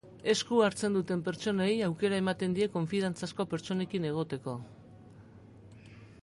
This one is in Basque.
Esku hartzen duten pertsonei aukera ematen die konfidantzazko pertsonekin egoteko